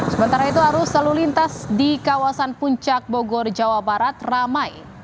sementara itu arus lalu lintas di kawasan puncak bogor jawa barat ramai